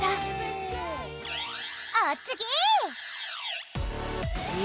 お次！